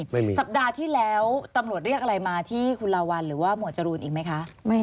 สัปดาห์ที่แล้วตำรวจเรียกอะไรมาที่คุณลาวัลหรือว่าหมวดจรูนอีกไหมคะ